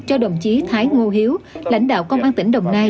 cho đồng chí thái ngô hiếu lãnh đạo công an tỉnh đồng nai